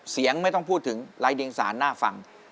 เสียงไม่ต้องพูดถึงลายเด็งศาลน่าฟัง